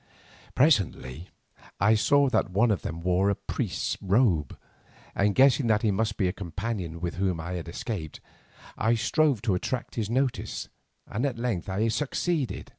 Presently I saw that one of these wore a priest's robe, and guessing that he must be my companion with whom I had escaped, I strove to attract his notice, and at length succeeded.